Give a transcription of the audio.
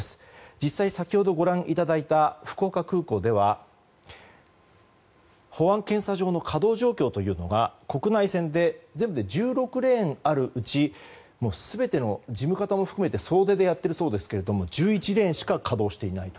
実際に先ほどご覧いただいた福岡空港では保安検査場の稼働状況が国内線で全部で１６レーンあるうち全ての事務方も含めて総出でやっているそうですが１１レーンしか稼働していないと。